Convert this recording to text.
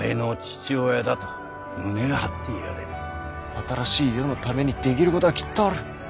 新しい世のためにできることはきっとある。